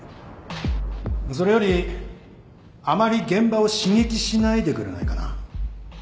それよりあまり現場を刺激しないでくれないかな。